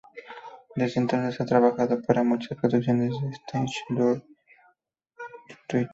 Desde entonces, ha trabajado para muchas producciones en el Stage Door Theater.